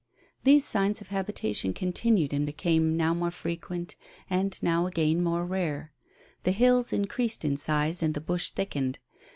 These signs of habitation continued, and became now more frequent, and now, again, more rare. The hills increased in size and the bush thickened.